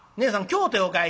京都へお帰り？